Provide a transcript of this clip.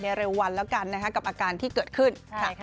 คุณผ่วยในเร็ววันแล้วกันนะคะกับอาการที่เกิดขึ้น